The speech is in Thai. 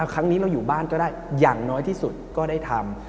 ครั้งนี้เราอยู่บ้านก็ได้อย่างน้อยที่สุดก็ได้ทำ